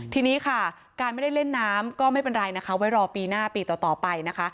ทีนี้ค่ะการไม่ได้เล่นน้ำก็ไม่เป็นไรนะคะไว้รอปีหน้าปีต่อไปนะคะ